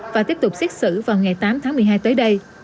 và tiếp tục xét xử vào ngày tám tháng một mươi hai tới đây